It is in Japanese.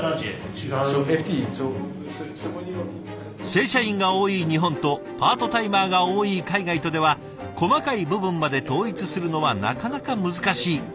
正社員が多い日本とパートタイマーが多い海外とでは細かい部分まで統一するのはなかなか難しいという意見。